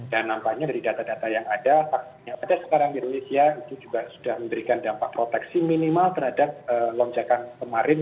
dan nampaknya dari data data yang ada vaksin yang ada sekarang di indonesia itu juga sudah memberikan dampak proteksi minimal terhadap lonjakan kemarin